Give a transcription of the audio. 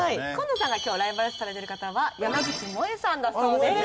紺野さんが今日ライバル視されてる方は山口もえさんだそうです。